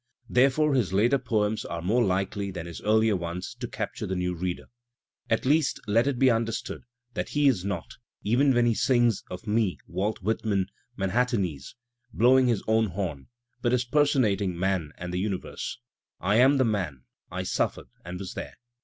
Therefore his later poems are more likely than his earlier ones to capture the new reader. At least let it be understood that he is not, even when he sings of "Me, Walt Whitman, Manhattanese," blowing his own horn, but is personating man and the universe. "I am the man, I suffered and was there."